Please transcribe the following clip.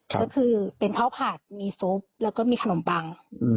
ก็คือเป็นข้าวผัดมีซุปแล้วก็มีขนมปัง